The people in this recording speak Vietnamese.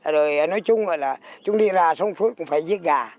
rồi nói chung là chúng đi ra sông suối cũng phải giết gà